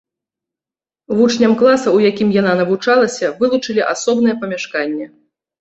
Вучням класа, у якім яна навучалася, вылучылі асобнае памяшканне.